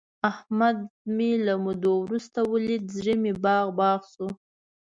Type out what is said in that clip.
احمد مې له مودو ورسته ولید، زړه مې باغ باغ شو.